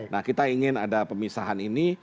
nah kita ingin ada pemisahan ini